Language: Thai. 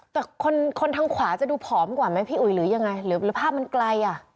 แต่คนคนทางขวาจะดูผอมกว่าไหมพี่อุ๋ยหรือยังไงหรือภาพมันไกลอ่ะ